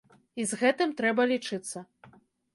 І з гэтым трэба лічыцца.